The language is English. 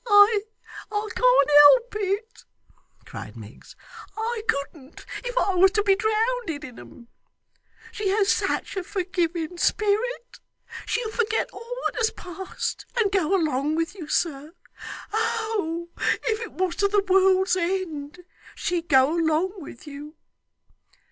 'I can't help it,' cried Miggs. 'I couldn't, if I was to be drownded in 'em. She has such a forgiving spirit! She'll forget all that has passed, and go along with you, sir Oh, if it was to the world's end, she'd go along with you.